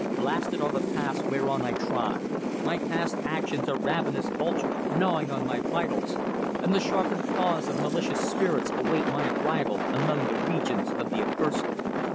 Blasted are the paths whereon I trod; my past actions are ravenous vultures gnawing on my vitals, and the sharpened claws of malicious spirits await my arrival among the regions of the accursed."